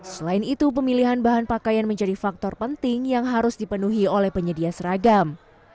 selain itu pemilihan bahan pakaian menjadi faktor penting yang harus dipenuhi oleh penyedia seragam